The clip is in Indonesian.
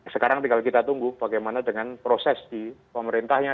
sekarang tinggal kita tunggu bagaimana dengan proses di pemerintahnya